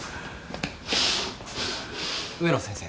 ・植野先生。